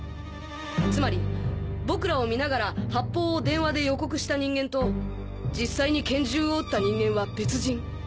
つまり僕らを見ながら発砲を電話で予告した人間と実際に拳銃を撃った人間は別人。